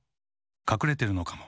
かくれてるのかも。